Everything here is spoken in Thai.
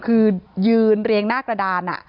คือยืนเรียงหน้ากระดาน